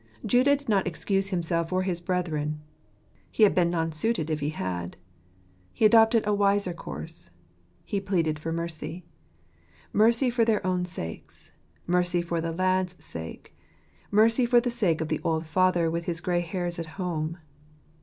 Judah did not excuse himself or his brethren ; he had been non suited if he had. He adopted a wiser course — he pleaded for mercy. Mercy for their own sakes ! mercy for the lad's sake ! mercy for the sake of the old father with his grey hairs at home